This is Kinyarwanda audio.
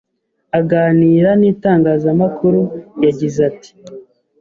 aganira n’itangazamakuru yagize ati